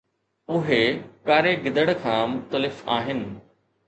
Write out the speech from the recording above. اهي ڪاري گدڙ کان مختلف آهن